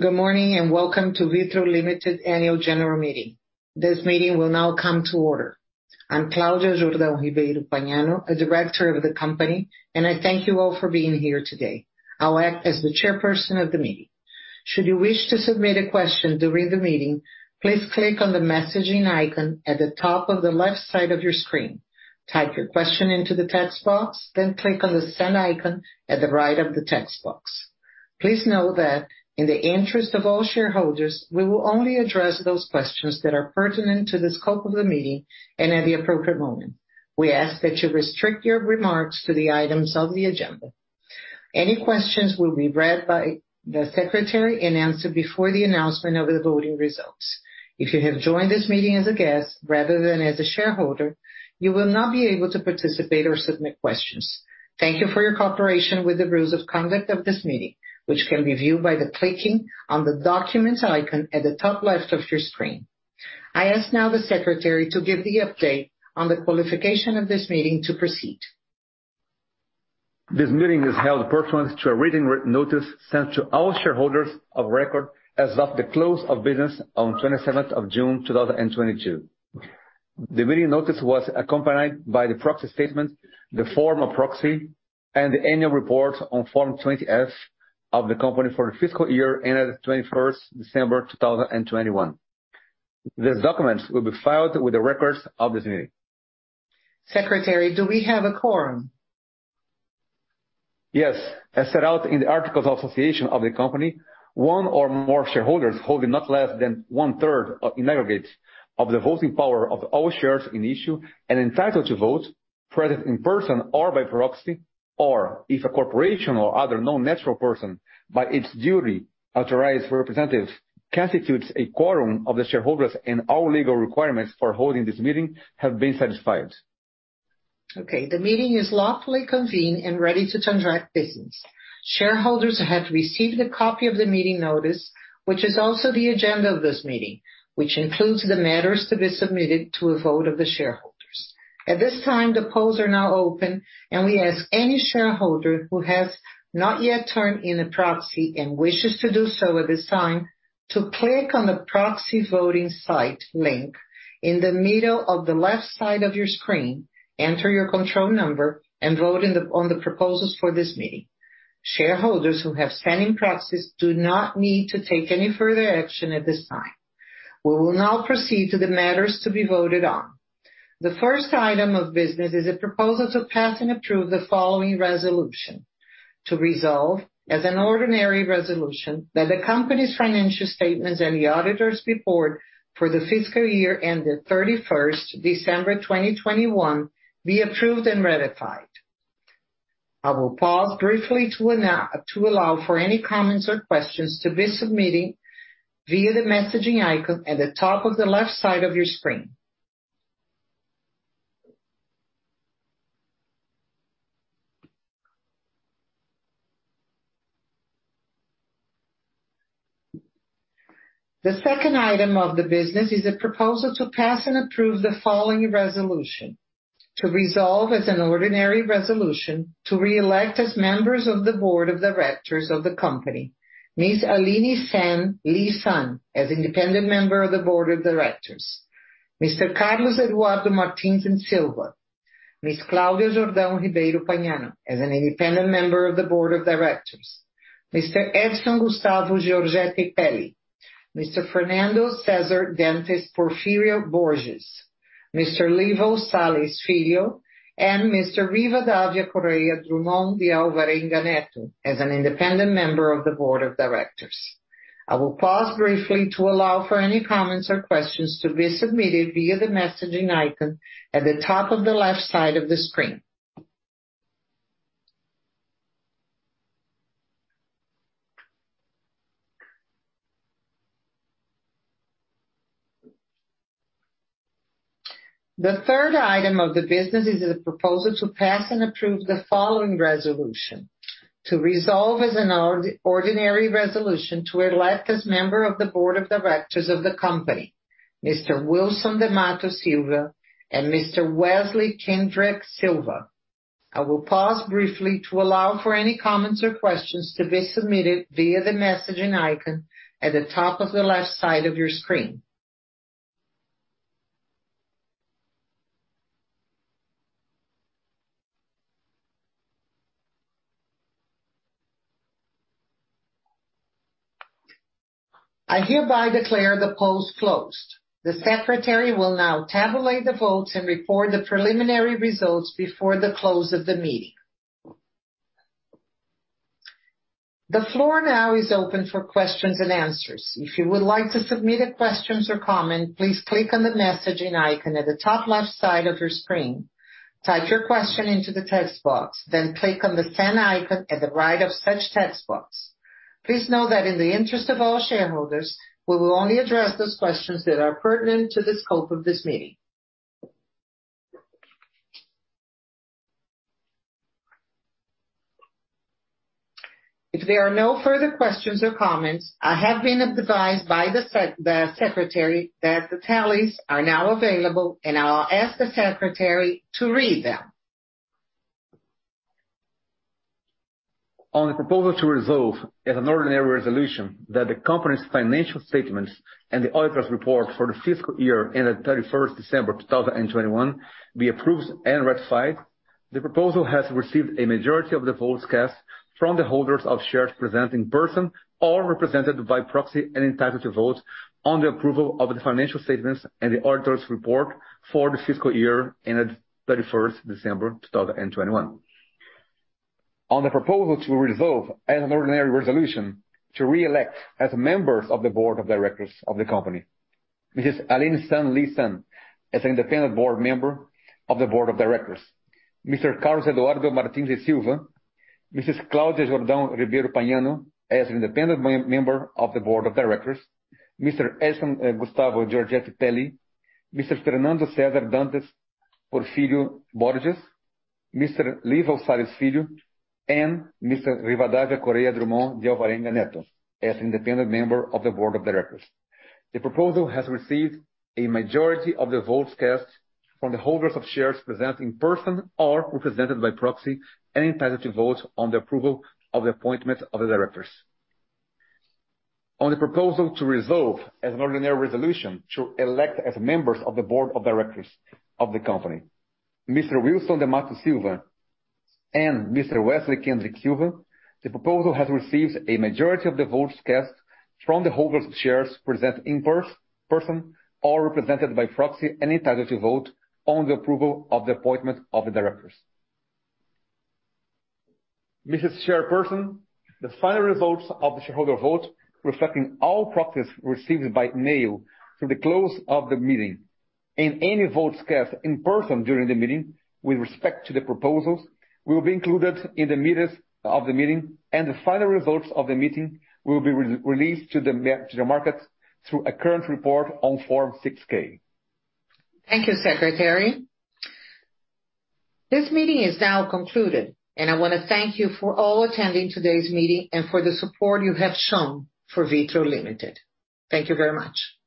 Good morning, welcome to Vitru Limited annual general meeting. This meeting will now come to order. I'm Cláudia Jordão Ribeiro Pagnano, a director of the company, and I thank you all for being here today. I'll act as the chairperson of the meeting. Should you wish to submit a question during the meeting, please click on the messaging icon at the top of the left side of your screen, type your question into the text box, then click on the send icon at the right of the text box. Please know that in the interest of all shareholders, we will only address those questions that are pertinent to the scope of the meeting and at the appropriate moment. We ask that you restrict your remarks to the items on the agenda. Any questions will be read by the secretary and answered before the announcement of the voting results. If you have joined this meeting as a guest rather than as a shareholder, you will not be able to participate or submit questions. Thank you for your cooperation with the rules of conduct of this meeting, which can be viewed by clicking on the documents icon at the top left of your screen. I ask now the secretary to give the update on the qualification of this meeting to proceed. This meeting is held pursuant to a written notice sent to all shareholders of record as of the close of business on June 27th, 2022. The meeting notice was accompanied by the proxy statement, the form of proxy, and the annual report on Form 20-F of the company for the fiscal year ended December 21st, 2021. These documents will be filed with the records of this meeting. Secretary, do we have a quorum? Yes. As set out in the Articles of Association of the company, one or more shareholders holding not less than one-third in aggregate of the voting power of all shares in issue and entitled to vote, present in person or by proxy, or if a corporation or other non-natural person by its duly authorized representative constitutes a quorum of the shareholders and all legal requirements for holding this meeting have been satisfied. Okay. The meeting is lawfully convened and ready to transact business. Shareholders have received a copy of the meeting notice, which is also the agenda of this meeting, which includes the matters to be submitted to a vote of the shareholders. At this time, the polls are now open, and we ask any shareholder who has not yet turned in a proxy and wishes to do so at this time to click on the proxy voting site link in the middle of the left side of your screen, enter your control number, and vote on the proposals for this meeting. Shareholders who have sent in proxies do not need to take any further action at this time. We will now proceed to the matters to be voted on. The first item of business is a proposal to pass and approve the following resolution. To resolve, as an ordinary resolution, that the company's financial statements and the auditor's report for the fiscal year ended December 31st, 2021 be approved and ratified. I will pause briefly to allow for any comments or questions to be submitted via the messaging icon at the top of the left side of your screen. The second item of business is a proposal to pass and approve the following resolution. To resolve as an ordinary resolution to re-elect as members of the Board of Directors of the company, Ms. Aline Fan Li Sun as independent Member of the Board of Directors, Mr. Carlos Eduardo Martins e Silva, Ms. Cláudia Jordão Ribeiro Pagnano as an independent Member of the Board of Directors, Mr. Edson Gustavo Georgette Peli, Mr. Fernando Cezar Dantas Porfírio Borges, Mr. Livo Salles Filho, and Mr. Rivadavia Correa Drummond de Alvarenga Neto as an independent member of the Board of Directors. I will pause briefly to allow for any comments or questions to be submitted via the messaging icon at the top of the left side of the screen. The third item of the business is the proposal to pass and approve the following resolution: To resolve as an ordinary resolution to elect as member of the Board of Directors of the company, Mr. Wilson de Matos Silva and Mr. Wesley Kendrick Silva. I will pause briefly to allow for any comments or questions to be submitted via the messaging icon at the top of the left side of your screen. I hereby declare the polls closed. The secretary will now tabulate the votes and report the preliminary results before the close of the meeting. The floor now is open for questions and answers. If you would like to submit a question or comment, please click on the messaging icon at the top left side of your screen. Type your question into the text box, then click on the send icon at the right of such text box. Please know that in the interest of all shareholders, we will only address those questions that are pertinent to the scope of this meeting. If there are no further questions or comments, I have been advised by the secretary that the tallies are now available, and I'll ask the secretary to read them. On the proposal to resolve as an ordinary resolution that the company's financial statements and the auditor's report for the fiscal year ended December 31st, 2021 be approved and ratified. The proposal has received a majority of the votes cast from the holders of shares present in person or represented by proxy and entitled to vote on the approval of the financial statements and the auditor's report for the fiscal year ended December 31st, 2021. On the proposal to resolve as an ordinary resolution to re-elect as members of the board of directors of the company. Mrs. Aline Fan Li Sun, as an independent board member of the board of directors. Mr. Carlos Eduardo Martins e Silva. Mrs. Cláudia Jordão Ribeiro Pagnano, as an independent member of the board of directors. Mr. Edson Gustavo Georgette Peli. Mr. Fernando Cezar Dantas Porfírio Borges. Mr. Lio Salles Filho. Mr. Rivadavia Correa Drumond de Alvarenga Neto, as independent member of the board of directors. The proposal has received a majority of the votes cast from the holders of shares present in person or represented by proxy, and entitled to vote on the approval of the appointment of the directors. On the proposal to resolve as an ordinary resolution to elect as members of the board of directors of the company. Mr. Wilson de Mello Silva and Mr. Wesley Kendrick Silva. The proposal has received a majority of the votes cast from the holders of shares present in person or represented by proxy, and entitled to vote on the approval of the appointment of the directors. Mrs. Chairperson, the final results of the shareholder vote, reflecting all proxies received by mail through the close of the meeting, and any votes cast in person during the meeting with respect to the proposals, will be included in the minutes of the meeting, and the final results of the meeting will be re-released to the markets through a current report on Form 6-K. Thank you, Secretary. This meeting is now concluded, and I wanna thank you for all attending today's meeting and for the support you have shown for Vitru Limited. Thank you very much.